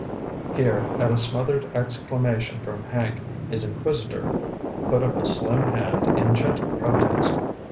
Here, at a smothered exclamation from Hank, his inquisitor put up a slim hand in gentle protest.